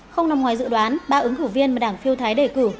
không nằm ngoài dự đoán ba ứng cử viên mà đảng phiêu thái đề cử